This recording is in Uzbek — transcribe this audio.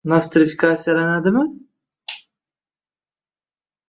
nostrifikatsiyalanadimi?